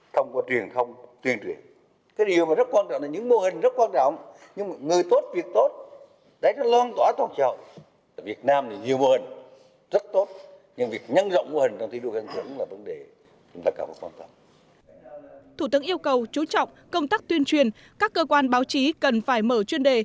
thủ tướng yêu cầu chú trọng công tác tuyên truyền các cơ quan báo chí cần phải mở chuyên đề